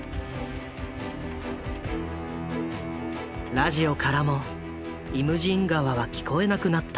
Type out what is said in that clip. ラジオからも「イムジン河」は聞こえなくなった。